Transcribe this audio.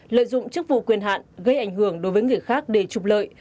lợi dụng chức vụ quyền hạn gây ảnh hưởng đối với người khác để trục lợi